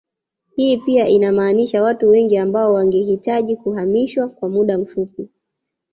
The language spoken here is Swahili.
Hii pia inamaanisha watu wengi ambao wangehitaji kuhamishwa kwa muda mfupii